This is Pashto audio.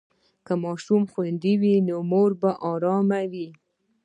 که ماشوم خوندي وي، نو مور به ارامه وي.